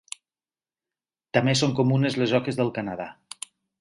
També són comunes les oques del Canadà.